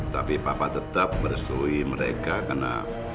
tapi papa tetap merestui mereka karena